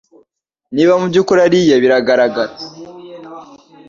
niba mubyukuri ari iye biragarara,